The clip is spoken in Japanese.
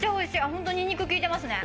ホント、にんにく効いてますね